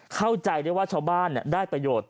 เข้าใจได้ว่าชาวบ้านได้ประโยชน์